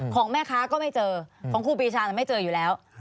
ของแม่ค้าก็ไม่เจอของครูปีชาไม่เจออยู่แล้ว